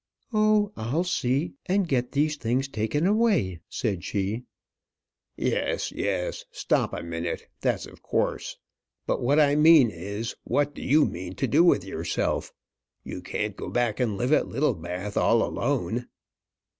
"Oh, I'll see and get these things taken away," said she. "Yes, yes; stop a minute; that's of course. But what I mean is, what do you mean to do with yourself? you can't go back and live at Littlebath all alone?"